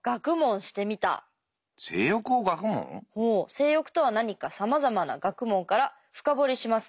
「性欲とは何かさまざまな学問から深掘りします」。